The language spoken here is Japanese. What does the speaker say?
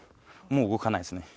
もう動かないです。